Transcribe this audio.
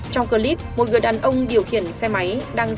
trong clip một người đàn ông điều khiển xe máy đang